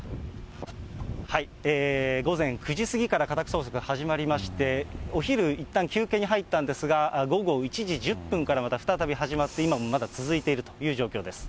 午前９時過ぎから家宅捜索始まりまして、お昼、いったん休憩に入ったんですが、午後１時１０分からまた再び始まって、今もまだ続いているという状況です。